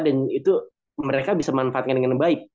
dan itu mereka bisa manfaatkan dengan baik